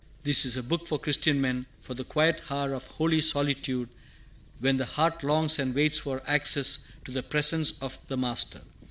... "This is a book for Christian men, for the quiet hour of holy solitude, when the heart longs and waits for access to the presence of the Master.